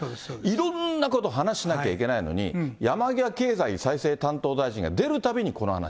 いろんなこと話しなきゃいけないのに、山際経済再生担当大臣が出るたびにこの話。